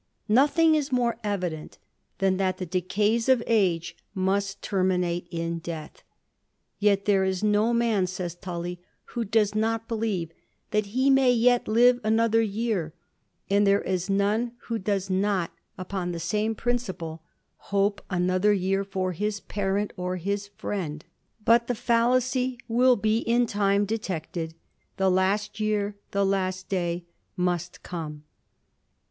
Nothing is more evident than that the decays of age must terminate in death ; yet there is no man, saj^ Tnlly, wh does not believe that he may yet live another year ; am there is none who does not, upon the same principle^ another year for his parent or his friend : but the fallac^^ will be in time detected ; the last year, the last day come.